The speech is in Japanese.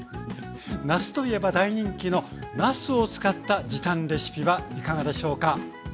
夏といえば大人気のなすを使った時短レシピはいかがでしょうか？